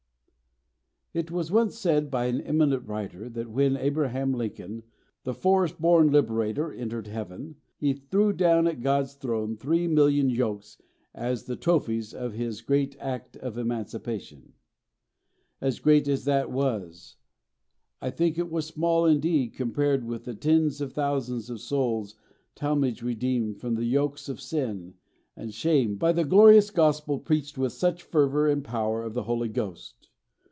"It was said once by an eminent writer that when Abraham Lincoln, the forest born liberator, entered Heaven, he threw down at God's throne three million yokes as the trophies of his great act of emancipation; as great as that was, I think it was small, indeed, compared with the tens of thousands of souls Talmage redeemed from the yokes of sin and shame by the glorious Gospel preached with such fervour and power of the Holy Ghost.